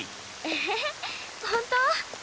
ええ本当？